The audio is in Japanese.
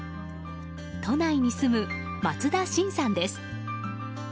都内に住む松田真さんです。